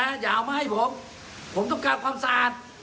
อย่าเอามาให้ผมผมต้องการความสะอาด